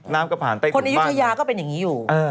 น้ำก็ผ่านใต้กลุ่มบ้านอืมแต่คนอายุทยาก็เป็นอย่างนี้อยู่